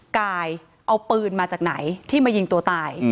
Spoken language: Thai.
กายเอาปืนมาจากไหนที่มายิงตัวตาย